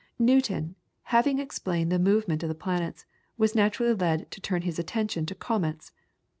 Newton, having explained the movement of the planets, was naturally led to turn his attention to comets.